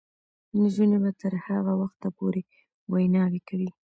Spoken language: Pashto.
نجونې به تر هغه وخته پورې ویناوې کوي.